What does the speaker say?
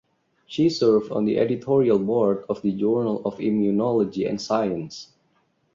She served on the Editorial Board of the "Journal of Immunology" and "Science".